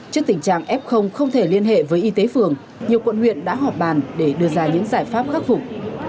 trước tình trạng f không thể liên hệ với y tế phường nhiều quận huyện đã họp bàn để đưa ra những giải pháp khắc phục